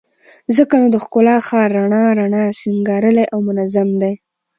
ځکه نو د ښکلا ښار رڼا رڼا، سينګارلى او منظم دى